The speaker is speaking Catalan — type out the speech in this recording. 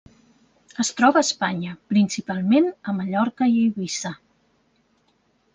Es troba a Espanya, principalment a Mallorca i Eivissa.